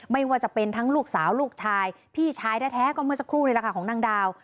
ไม่ว่าจะเป็นทั้งลูกสาวลูกชายพี่ชายแท้ก็เมื่อสักครู่นี่แหละค่ะของนางดาว